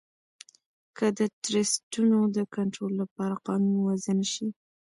که د ټرسټونو د کنترول لپاره قانون وضعه نه شي